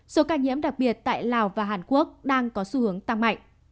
số ca nhiễm đặc biệt tại lào và hàn quốc đang có xu hướng tăng mạnh